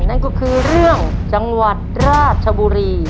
นั่นก็คือเรื่องจังหวัดราชบุรี